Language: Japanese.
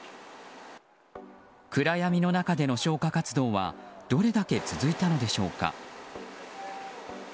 暗闇の中での消火活動はどれだけ続いたのでしょうか。